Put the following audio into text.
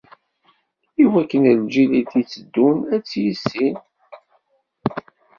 Iwakken lǧil i d-itteddun ad tt-yissin.